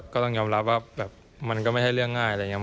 ก็ต้องยอมรับว่ามันก็ไม่ใช่เรื่องง่าย